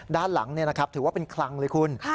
ด้านหลังถือว่าเป็นคลังเลยคุณ